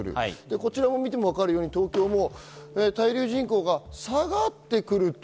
こちらを見てもわかるように東京も滞留人口が下がってくると。